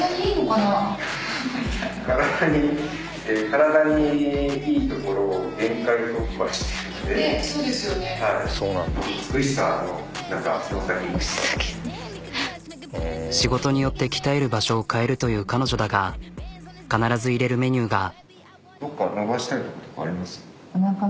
体に仕事によって鍛える場所を変えるという彼女だが必ず入れるメニューが。